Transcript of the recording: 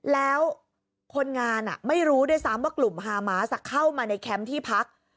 แล้วคนงานไม่รู้ด้วยซ้ำว่ากลุ่มฮามาสเข้ามาในแคมป์ที่พัก